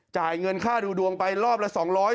จ่ายเงินค่าดูดวงไปรอบละ๒๐๐